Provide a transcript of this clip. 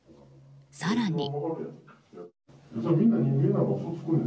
更に。